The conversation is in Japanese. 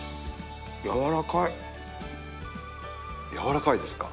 やわらかいですか？